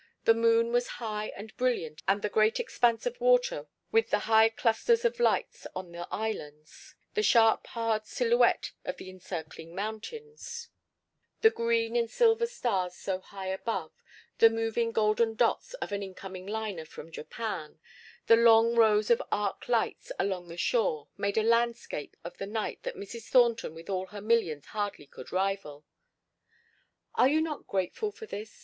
The moon was high and brilliant and the great expanse of water with the high clusters of lights on the islands, the sharp hard silhouette of the encircling mountains, the green and silver stars so high above, the moving golden dots of an incoming liner from Japan, the long rows of arc lights along the shore, made a landscape of the night that Mrs. Thornton with all her millions hardly could rival. "Are you not grateful for this?"